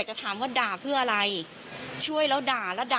ทีนี้มันไม่ได้จบแค่ที่สอนอนนะครับ